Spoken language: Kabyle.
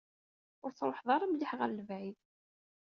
Ur truḥeḍ ara mliḥ ɣer lebɛid.